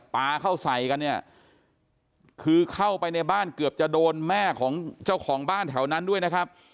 ปลาเข้าใส่กันเนี่ยคือเข้าไปในบ้านเกือบจะโดนแม่ของเจ้าของบ้านแถวนั้นด้วยนะครับ